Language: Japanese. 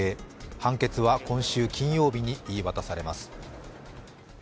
判決は今週金曜日に言い渡されます。